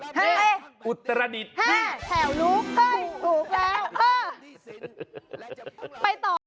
แถวลูกถูกแล้ว